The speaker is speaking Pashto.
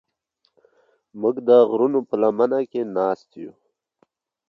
موږ د غرونو په لمنه کې ناست یو.